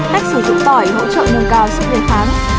cách sử dụng tỏi hỗ trợ nâng cao sức đề kháng